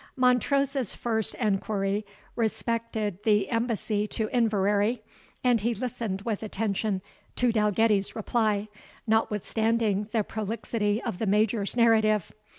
Montrose's first enquiry respected the embassy to Inverary; and he listened with attention to Dalgetty's reply, notwithstanding the prolixity of the Major's narrative.